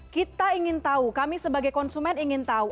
kita ingin tahu kami sebagai konsumen ingin tahu